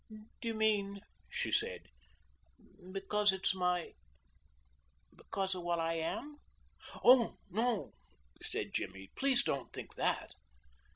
"Do you mean," she said, "because it's my because of what I am?" "Oh, no," said Jimmy; "please don't think that!"